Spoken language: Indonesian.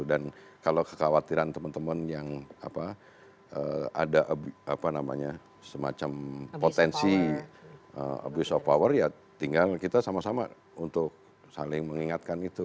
dan kalau kekhawatiran teman teman yang ada semacam potensi abuse of power ya tinggal kita sama sama untuk saling mengingatkan itu